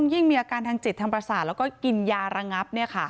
ยิ่งมีอาการทางจิตทางประสาทแล้วก็กินยาระงับ